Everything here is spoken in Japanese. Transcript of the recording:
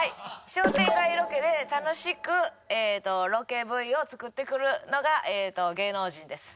商店街ロケで楽しくロケＶを作ってくるのが芸能人です。